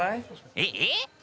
えっえっ？